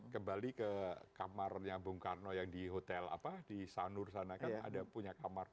kembali ke kamarnya bung karno yang di hotel apa di sanur sana kan ada punya kamar